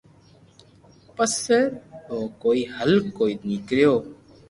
پسي بو ڪوئي ھل ڪوئي نوڪرو